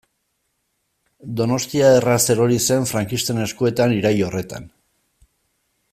Donostia erraz erori zen frankisten eskuetan irail horretan.